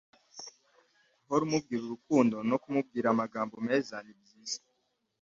guhora umubwira urukundo no kumubwira amagambo meza nibyiza